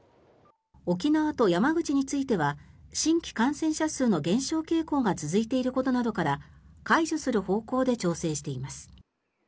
沖縄と山口については新規感染者数の減少傾向が続いていることなどから解除する方向で調整しています。